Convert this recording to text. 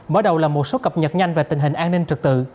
mở đầu là một số cập nhật nhanh về tình hình an ninh trực tự